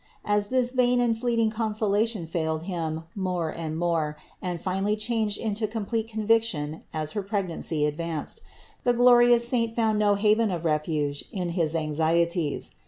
As this vain and fleeting consolation failed him more and more and finally changed into complete conviction as her pregnancy ad vanced, the glorious saint found no haven of refuge in his anxieties.